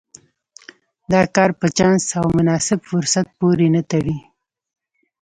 دا کار په چانس او مناسب فرصت پورې نه تړي.